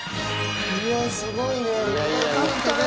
いやー、すごいね。